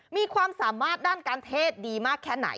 มีความสามารถด้านการเทศดีมากแค่ไหน